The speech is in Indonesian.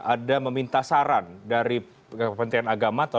ada meminta saran dari kementerian agama